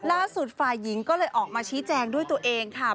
ล่าสุดฝ่ายหญิงก็เลยออกมาชี้แจงด้วยตัวเองค่ะ